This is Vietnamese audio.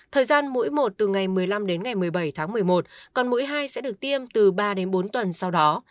thời gian mũi một từ ngày một mươi năm đến ngày một mươi bảy tháng một mươi một còn mũi hai sẽ được tiêm từ ba đến bốn tuần sau đó